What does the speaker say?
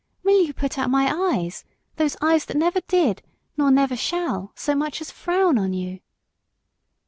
Will you put out my eyes those eyes that never did, nor never shall, so much as frown on you?"